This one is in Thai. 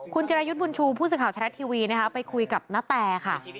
คุณเจรยุทธ์บุญชูผู้สื่อข่าวชาติแท็ตทีวีไปคุยกับณแต่ค่ะ